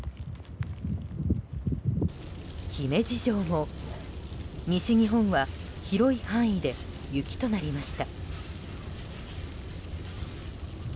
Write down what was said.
姫路城も、西日本は広い範囲で雪となりました。